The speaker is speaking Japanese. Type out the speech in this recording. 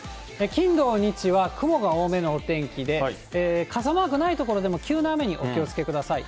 金、土、日は雲が多めのお天気で、傘マークない所でも急な雨にお気をつけください。